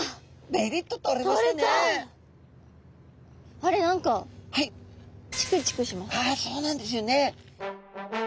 あれ何かあそうなんですよね。